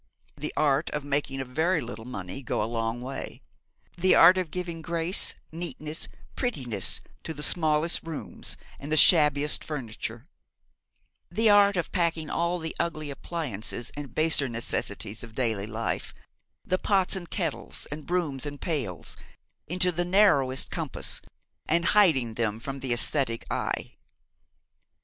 The art of making a very little money go a great way; the art of giving grace, neatness, prettiness to the smallest rooms and the shabbiest furniture; the art of packing all the ugly appliances and baser necessities of daily life, the pots and kettles and brooms and pails, into the narrowest compass, and hiding them from the æsthetic eye.